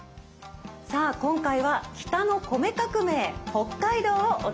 さあ今回は「北の米革命北海道」をお届けしました。